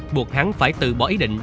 buộc hắn phải tự bỏ ý định